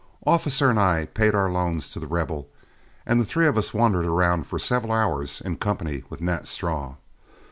Officer and I paid our loans to The Rebel, and the three of us wandered around for several hours in company with Nat Straw.